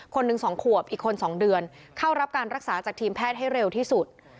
หนึ่ง๒ขวบอีกคน๒เดือนเข้ารับการรักษาจากทีมแพทย์ให้เร็วที่สุด